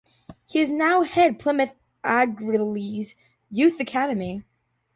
He is now head Plymouth Argyle's Youth Academy.